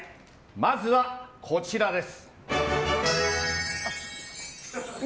まずは、こちらです。